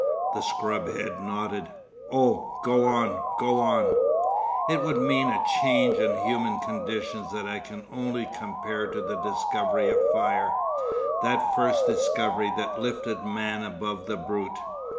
The scrub head nodded. 'Oh! go on. Go on.' 'It would mean a change in human conditions that I can only compare to the discovery of fire, that first discovery that lifted man above the brute.